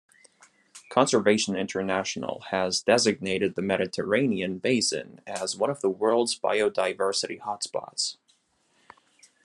Conservation International has designated the Mediterranean basin as one of the world's biodiversity hotspots.